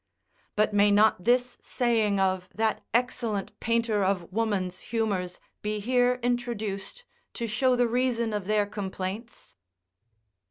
But may not this saying of that excellent painter of woman's humours be here introduced, to show the reason of their complaints?